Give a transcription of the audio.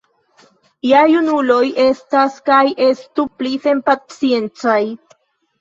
Ja junuloj estas kaj estu pli senpaciencaj.